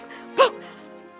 puk puk puk